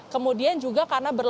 kemudian juga karena berlaku